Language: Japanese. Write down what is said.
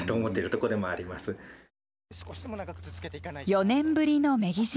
４年ぶりの女木島。